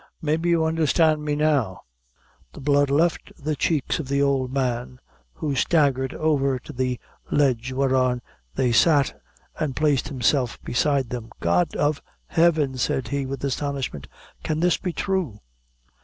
Maybe you understand me now?" The blood left the cheeks of the old man, who staggered over to the ledge whereon they sat, and placed himself beside them. "God of Heaven!" said he, with astonishment, "can this be thrue?"